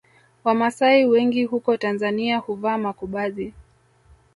Wamasai wengi huko Tanzania huvaa makubazi